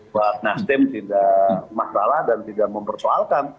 pak nasdem tidak masalah dan tidak memperkoalkan